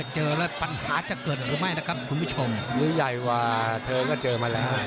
เจอแล้วปัญหาจะเกิดหรือไม่นะครับคุณผู้ชมหรือใหญ่กว่าเธอก็เจอมาแล้ว